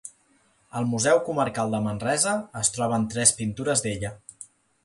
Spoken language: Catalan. Al Museu Comarcal de Manresa es troben tres pintures d’ella.